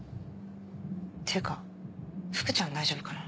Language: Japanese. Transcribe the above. ていうか福ちゃん大丈夫かな？